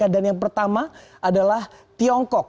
yang pertama adalah tiongkok